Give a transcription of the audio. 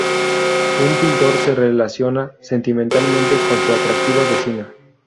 Un pintor se relaciona sentimentalmente con su atractiva vecina.